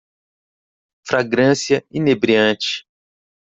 Fragrância inebriante